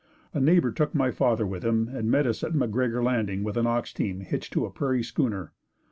A neighbor took my father with him and met us at McGregor Landing with an ox team hitched to a prairie schooner.